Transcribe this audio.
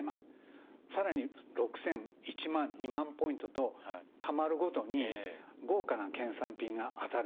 更に６，０００１万２万ポイントとたまるごとに豪華な県産品が当たる。